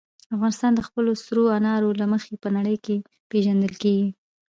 افغانستان د خپلو سرو انارو له مخې په نړۍ کې پېژندل کېږي.